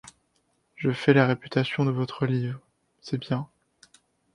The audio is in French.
Je fais la réputation de votre livre ; c’est bien.